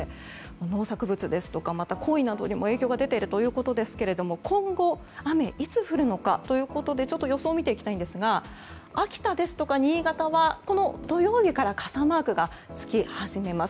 農作物ですとかコイなどにも影響が出ているということですが今後、雨はいつ降るのかということでちょっと予想を見ていきたいんですが秋田ですとか新潟はこの土曜日から傘マークが付き始めます。